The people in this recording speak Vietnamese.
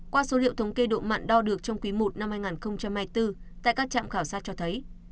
qua số liệu thống kê độ mặn đo được trong quý i năm hai nghìn hai mươi bốn tại các trạm khảo sát cho thấy